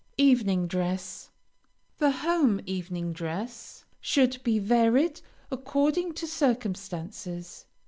EVENING DRESS The home evening dress should be varied according to circumstances.